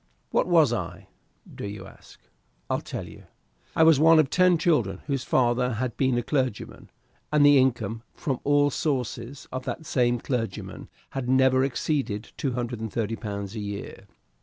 What was I, do you ask? I'll tell you. I was one of ten children whose father had been a clergyman, and the income "from all sources" of that same clergyman had never exceeded £230 a year.